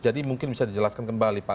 jadi mungkin bisa dijelaskan kembali pak